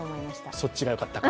そっちがよかったか。